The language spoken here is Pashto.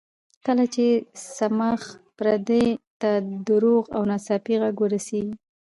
کله چې صماخ پردې ته دروند او ناڅاپي غږ ورسېږي.